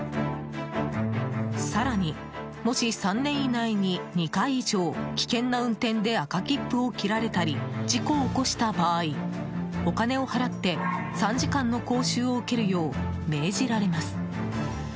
更に、もし３年以内に２回以上危険な運転で赤切符を切られたり事故を起こした場合お金を払って３時間の講習を受けるよう命じられます。